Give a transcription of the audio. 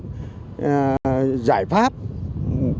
giải pháp giải pháp giải pháp